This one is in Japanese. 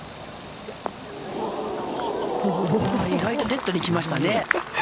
意外とデッドにきましたね。